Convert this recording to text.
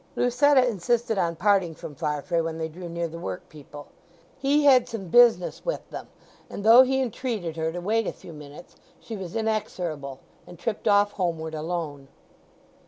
Lucetta insisted on parting from Farfrae when they drew near the workpeople. He had some business with them, and, though he entreated her to wait a few minutes, she was inexorable, and tripped off homeward alone.